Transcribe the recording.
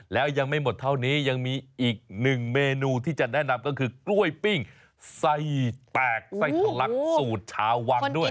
แล้วยังไม่หมดเท่านี้ยังมีอีกหนึ่งเมนูที่จะแนะนำก็คือกล้วยปิ้งไส้แตกไส้ทะลักสูตรชาววังด้วย